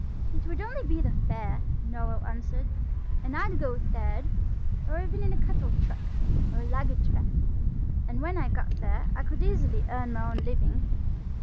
"It would only be the fare," Noël answered; "and I'd go third, or even in a cattle truck, or a luggage van. And when I got there I could easily earn my own living.